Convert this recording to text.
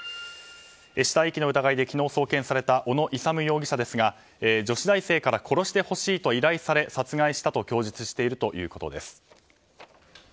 死体遺棄の疑いで昨日送検された小野勇容疑者ですが女子大生から殺してほしいと依頼され殺害したと供述しているということです。